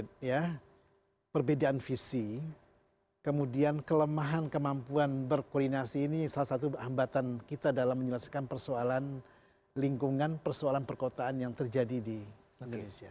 karena perbedaan visi kemudian kelemahan kemampuan berkoordinasi ini salah satu hambatan kita dalam menyelesaikan persoalan lingkungan persoalan perkotaan yang terjadi di indonesia